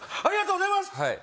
ありがとうございます！